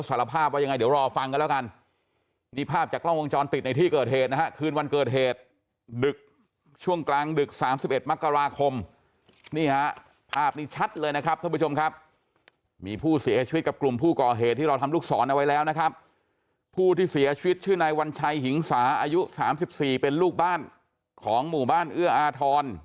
ทางดึกสามสิบเอ็ดมกราคมนี่ฮะภาพนี้ชัดเลยนะครับท่านผู้ชมครับมีผู้เสียชีวิตกับกลุ่มผู้ก่อเหตุที่เราทำลูกสอนเอาไว้แล้วนะครับผู้ที่เสียชีวิตชื่อในวันชัยหิงสาอายุสามสิบสี่เป็นลูกบ้านของหมู่บ้านเอื้ออทร